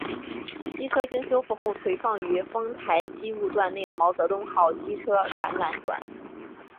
机车经修复后存放于丰台机务段内的毛泽东号机车展览馆。